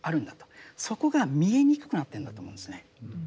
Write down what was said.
そこが見えにくくなってるんだと思うんですね。